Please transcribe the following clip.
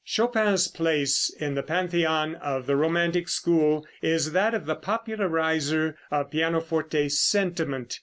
Chopin's place in the Pantheon of the romantic school is that of the popularizer of pianoforte sentiment.